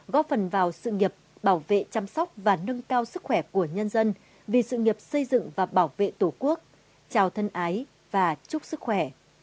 góp phần vào sự nghiệp bảo vệ chăm sóc và nâng cao sức khỏe của nhân dân vì sự nghiệp xây dựng và bảo vệ tổ quốc chào thân ái và chúc sức khỏe